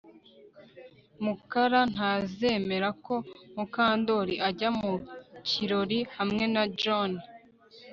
Mukara ntazemera ko Mukandoli ajya mu kirori hamwe na John